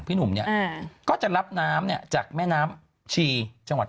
พี่หนุ่มก็จะรับน้ำจากแม่น้ำชีจังหวัด๑๐๑